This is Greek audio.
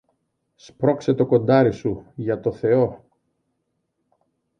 Σπρώξε το κοντάρι σου, για το Θεό